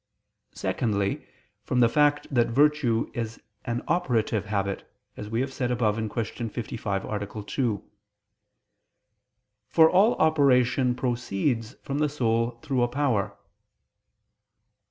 Secondly, from the fact that virtue is an operative habit, as we have said above (Q. 55, A. 2): for all operation proceeds from the soul through a power.